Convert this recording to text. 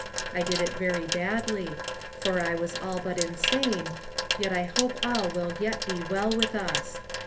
I did it very badly, for I was all but insane, yet I hope all will yet be well with us.